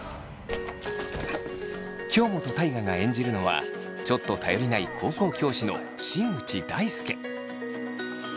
京本大我が演じるのはちょっと頼りない高校教師の新内大輔。